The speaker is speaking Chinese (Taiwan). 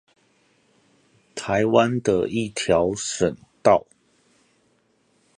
台灣的一條省道